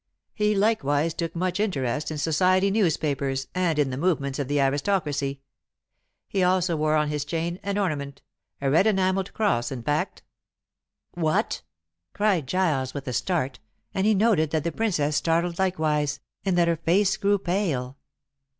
He likewise took much interest in Society newspapers and in the movements of the aristocracy. He also wore on his chain an ornament a red enamelled cross, in fact." "What!" cried Giles, with a start, and he noted that the Princess started likewise, and that her face grew pale.